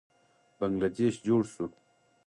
بنګله دیش جوړ شو.